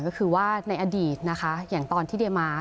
ก็คือว่าในอดีตนะคะอย่างตอนที่เดมา